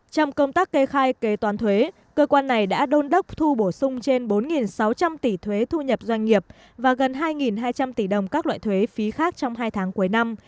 trong công tác kê khai kế toán thuế cơ quan này đã đôn đốc thu bổ sung trên bốn sáu trăm linh tỷ thuế thu nhập doanh nghiệp và gần hai hai trăm linh tỷ đồng các loại thuế phí khác trong hai tháng cuối năm